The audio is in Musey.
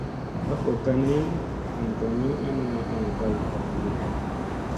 A fokkani an ka min ana aŋ kal varandi.